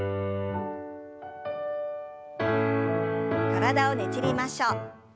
体をねじりましょう。